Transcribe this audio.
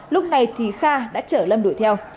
lúc này thì kha đã chở lâm đuổi theo